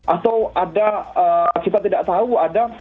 atau ada kita tidak tahu ada